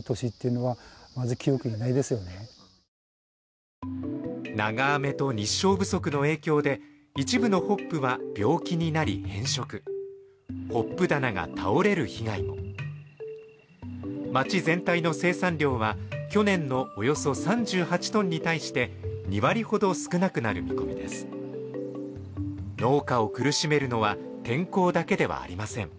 しかし長雨と日照不足の影響で一部のホップは病気になり変色ホップ棚が倒れる被害も町全体の生産量は去年のおよそ３８ｔに対して２割ほど少なくなる見込みです農家を苦しめるのは健康だけではありません